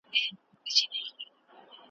تښتېدلې ورنه ډلي د لېوانو`